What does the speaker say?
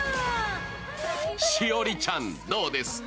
栞里ちゃん、どうですか？